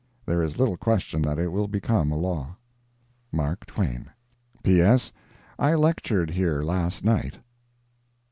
There is little question that it will become a law. MARK TWAIN P.S. I lectured here last night.